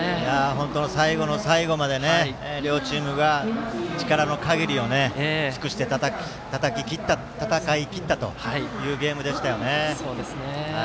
本当に最後の最後まで両チームが力の限りを尽くして戦いきったというゲームでしたよね。